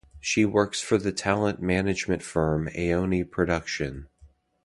She works for the talent management firm Aoni Production.